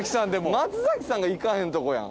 松崎さんが行かへんとこやん。